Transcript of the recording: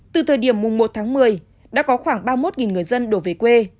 từ thời điểm mùng một tháng một mươi đã có khoảng ba mươi một người dân đổ về quê